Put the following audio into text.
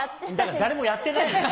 誰もやってないって。